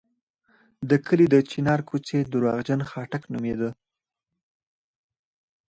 د کلي د چنار کوڅې درواغجن خاټک نومېده.